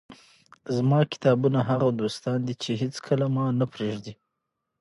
زما کتابونه هغه دوستان دي، چي هيڅکله مانه پرېږي.